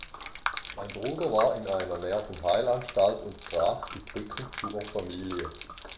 Sein Bruder war in einer Nervenheilanstalt und brach die Brücken zur Familie.